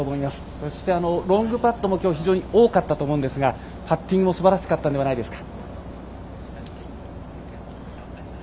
そして、ロングパットも今日は非常に多かったと思いますがパッティングもすばらしかったのではないですか。